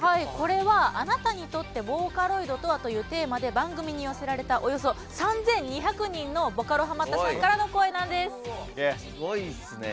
これは「あなたにとってボーカロイドとは？」というテーマで番組に寄せられた３２００人のボカロハマったさんからの声なんです。